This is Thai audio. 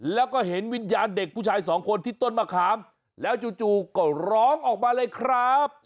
แล้วก็เห็นวิญญาณเด็กผู้ชายสองคนที่ต้นมะขามแล้วจู่ก็ร้องออกมาเลยครับ